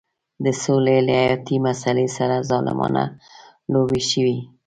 د سولې له حیاتي مسلې سره ظالمانه لوبې شوې.